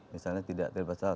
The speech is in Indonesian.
misalnya tidak ada masalah